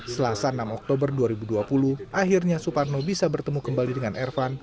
selasa enam oktober dua ribu dua puluh akhirnya suparno bisa bertemu kembali dengan ervan